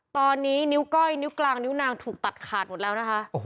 ตอนนี้นิ้วก้อยนิ้วกลางนิ้วนางถูกตัดขาดหมดแล้วนะคะ